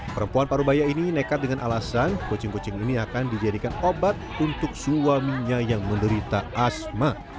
perempuan parubaya ini nekat dengan alasan kucing kucing ini akan dijadikan obat untuk suaminya yang menderita asma